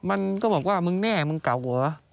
มันก็บอกว่ามึงแน่มึงเก่าเหรอ